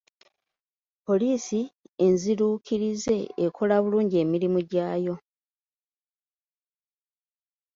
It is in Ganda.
Poliisi enziruukirize ekola bulungi emirimu gyayo.